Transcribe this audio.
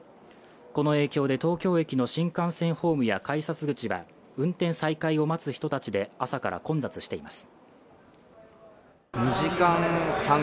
この影響で東京駅の新幹線ホームや改札口は運転再開を待つ人たちで朝から混雑しています。